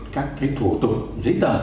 các thủ tục giấy tờ